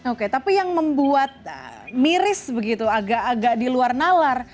oke tapi yang membuat miris begitu agak agak di luar nalar